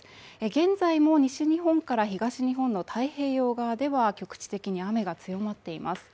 現在も西日本から東日本の太平洋側では局地的に雨が強まっています。